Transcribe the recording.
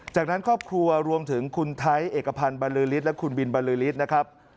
จากนั้นครอบครัวรวมถึงคุณไทร์เอกภัณฑ์บริษณ์และบิลบริษณ์นะครับ